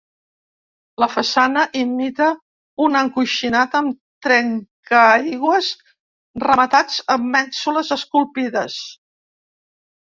La façana imita un encoixinat, amb trencaaigües rematats amb mènsules esculpides.